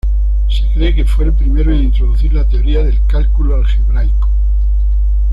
Se cree que fue el primero en introducir la teoría del cálculo algebraico.